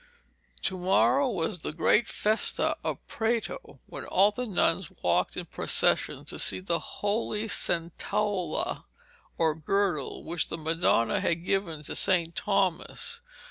To morrow was the great festa of Prato, when all the nuns walked in procession to see the holy centola, or girdle, which the Madonna had given to St. Thomas.